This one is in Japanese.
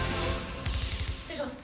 失礼します。